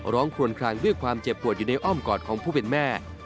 คลวนคลางด้วยความเจ็บปวดอยู่ในอ้อมกอดของผู้เป็นแม่